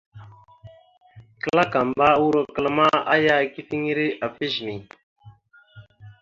Klakamba urokal ma, aya ikefiŋire afa ezine.